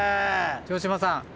城島さん